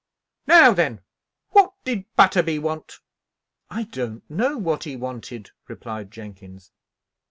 "Now, then, what did Butterby want?" "I don't know what he wanted," replied Jenkins.